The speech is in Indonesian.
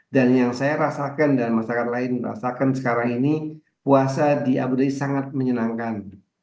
dan yang saya rasakan dan masyarakat lain rasakan sekarang ini puasa di abu dhabi sangat menyenangkan